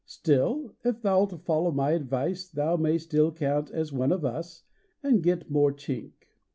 Still, if thou It follow my advice thou may Still count as one of us, and get more " chink."